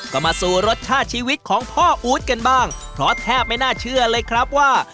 ก็มาสู่รสชาติชีวิตของพ่ออู๊ดกันบ้างเพราะแทบไม่น่าเชื่อเลยครับว่า